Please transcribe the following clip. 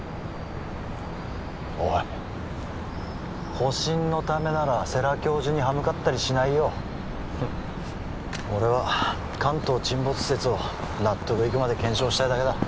おい保身のためなら世良教授に歯向かったりしないよふん俺は関東沈没説を納得いくまで検証したいだけだ